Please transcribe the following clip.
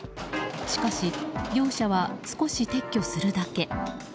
しかし、業者は少し撤去するだけ。